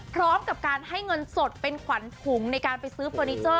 พร้อมกับการให้เงินสดเป็นขวัญถุงในการไปซื้อเฟอร์นิเจอร์